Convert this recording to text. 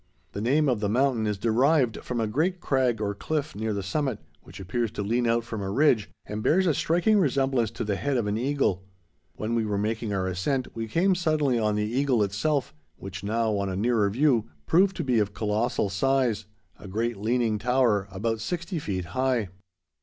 The name of the mountain is derived from a great crag or cliff near the summit, which appears to lean out from a ridge, and bears a striking resemblance to the head of an eagle. When we were making our ascent we came suddenly on the Eagle itself, which now, on a nearer view, proved to be of colossal size, a great leaning tower, about sixty feet high.